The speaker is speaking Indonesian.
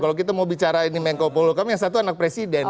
kalau kita mau bicara ini menko polukam yang satu anak presiden